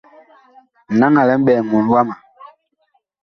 Naŋ a lɛ mɓɛɛŋ mɔɔn wama.